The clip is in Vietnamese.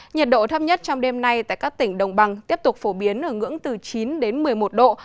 nhiệt độ thấp nhất trong đêm nay tại các tỉnh đồng bằng tiếp tục phổ biến ở ngưỡng từ chín đến một mươi một độ